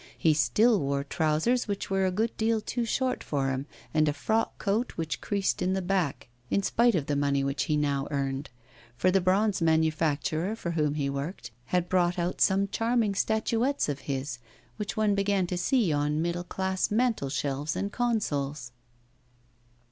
He still wore trousers which were a good deal too short for him, and a frock coat which creased in the back, in spite of the money which he now earned; for the bronze manufacturer for whom he worked had brought out some charming statuettes of his, which one began to see on middle class mantel shelves and consoles.